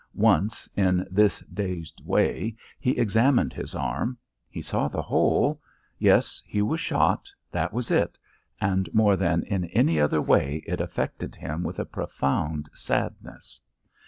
Once, in this dazed way, he examined his arm; he saw the hole. Yes, he was shot; that was it. And more than in any other way it affected him with a profound sadness.